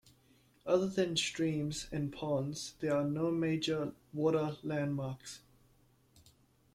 Other than streams and ponds, there are no major water landmarks.